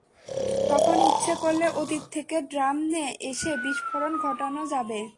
তখন ইচ্ছে করলে অতীত থেকে ড্রাম নিয়ে এসে বিস্ফোরণ ঘটানো যাবে।